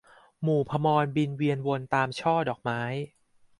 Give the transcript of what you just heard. หมู่ภมรบินเวียนวนตามช่อดอกไม้